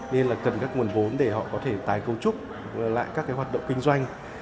nên là cần các nguồn vốn để họ có thể tài cấu trúc lại các hoạt động kinh doanh